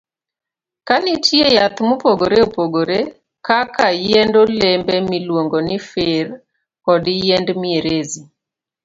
Ne nitie yath mopogore opogore kaka yiend olembe miluongo ni fir, kod yiend mierezi.